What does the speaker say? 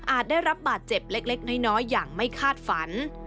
ได้รับบาดเจ็บเล็กน้อยอย่างไม่คาดฝัน